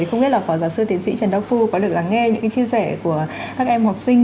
thì không biết là phó giáo sư tiến sĩ trần đốc phu có được lắng nghe những cái chia sẻ của các em học sinh